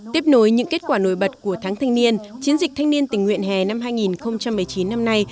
tiếp nối những kết quả nổi bật của tháng thanh niên chiến dịch thanh niên tình nguyện hè năm hai nghìn một mươi chín năm nay